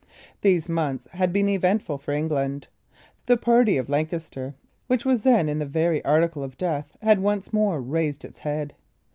These months had been eventful for England. The party of Lancaster, which was then in the very article of death, had once more raised its head.